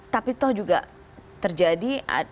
tapi toh juga terjadi